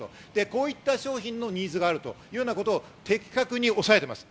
こういった商品のニーズがあるということを的確におさえています。